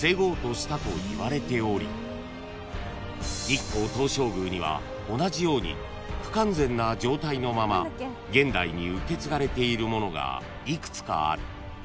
［日光東照宮には同じように不完全な状態のまま現代に受け継がれているものが幾つかある］